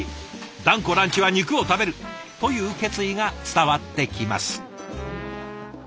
「断固ランチは肉を食べる！」という決意が伝わってきます。